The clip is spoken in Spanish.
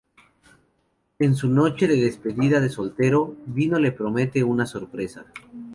Es su noche de despedida de soltero, y Dino le promete una sorpresa.